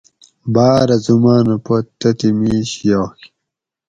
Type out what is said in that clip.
باۤرہ زمان پت تتھیں میش یاگ